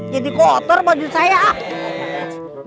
jadi kotor baju saya ah